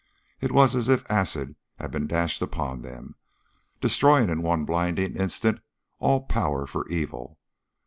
It was as if acid had been dashed upon them, destroying in one blinding instant all power for evil.